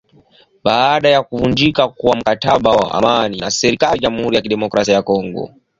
Baada ya kuvunjika kwa mkataba wa amani na serikali Jamuhuri ya kidemokrasia ya Kongo